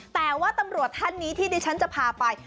แต่ว่าตำรวจท่านนี้ที่ดิฉันจะพาไป